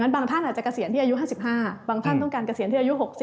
บางท่านอาจจะเกษียณที่อายุ๕๕บางท่านต้องการเกษียณที่อายุ๖๐